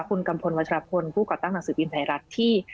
คุณกัมพลวัชรพลผู้ก่อตั้งหนังสือพิมพ์ไทยรัฐที่